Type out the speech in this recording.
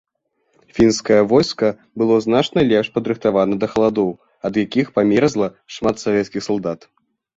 Фінскае войска было значна лепш падрыхтавана да халадоў, ад якіх памерзла шмат савецкіх салдат.